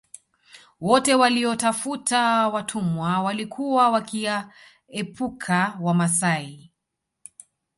Wote waliotafuta watumwa walikuwa wakiwaepuka Wamasai